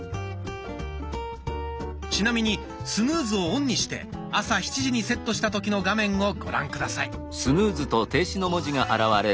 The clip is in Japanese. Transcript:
ちなみにスヌーズをオンにして朝７時にセットした時の画面をご覧下さい。